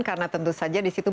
karena tentu saja disitu